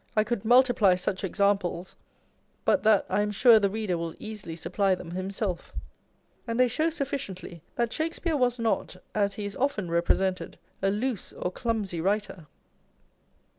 I could multiply such examples, but that I am sure the reader will easily supply them himself ; and they show sufficiently that Shakespeare was not (as he is often represented) a loose or clumsy writer.